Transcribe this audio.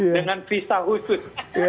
dengan visa khusus